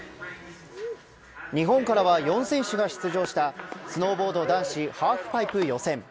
日本からは４選手が出場したスノーボード男子ハーフパイプ予選。